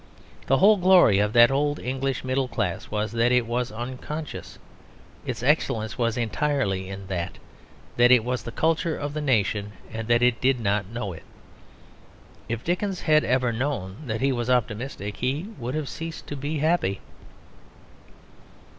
The whole glory of that old English middle class was that it was unconscious; its excellence was entirely in that, that it was the culture of the nation, and that it did not know it. If Dickens had ever known that he was optimistic, he would have ceased to be happy.